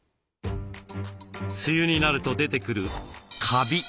梅雨になると出てくるカビ。